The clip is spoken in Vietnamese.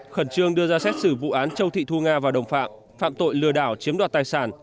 khẩn trương đưa ra xét xử vụ án châu thị thu nga và đồng phạm phạm tội lừa đảo chiếm đoạt tài sản